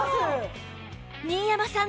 新山さん